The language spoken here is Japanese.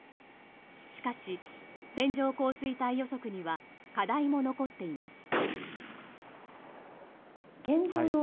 しかし線状降水帯予測には課題も残っています。